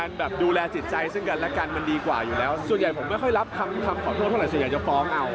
อะไรก็แตะได้แต่ยังมาแตะลูก